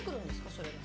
それ。